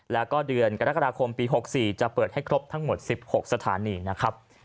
แล้วก็เดือนกรกฎาคมปี๖๔จะเปิดให้ครบทั้งหมด๑๖สถานีนะครับ